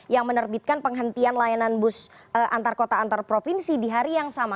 yang menerbitkan penghentian layanan bus antar kota antar provinsi di hari yang sama